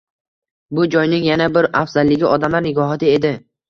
Bu joyning yana bir afzalligi odamlar nigohida edi.